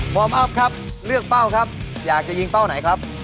อัพครับเลือกเป้าครับอยากจะยิงเป้าไหนครับ